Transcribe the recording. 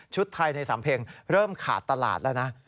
ไทยในสำเพ็งเริ่มขาดตลาดแล้วนะ